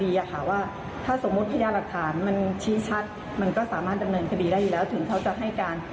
มีการนำไปขึ้นเงินไหมตรวจสอบเรื่องนี้หรือเปล่า